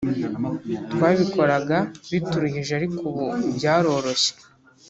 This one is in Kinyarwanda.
twabikoraga bituruhije ariko ubu byaroroshye